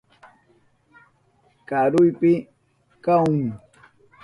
Karupi kahun.